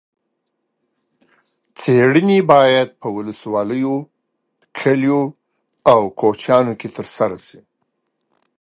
څېړنې باید په ولسوالیو، کلیو او کوچیانو کې ترسره شي.